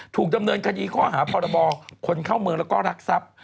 ถูกดำเนินคดีข้อหาพรบคนเข้าเมืองแล้วก็รักทรัพย์